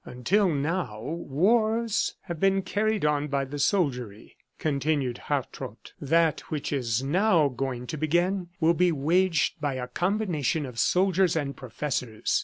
"Until now wars have been carried on by the soldiery," continued Hartrott. "That which is now going to begin will be waged by a combination of soldiers and professors.